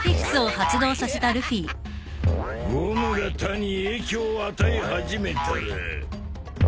ゴムが他に影響を与え始めたら。